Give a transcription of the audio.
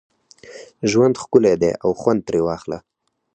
ژوند ښکلی دی او خوند ترې واخله